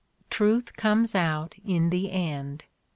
Truth comes out in the end.